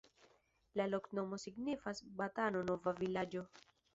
La loknomo signifas: Banato-nova-vilaĝo.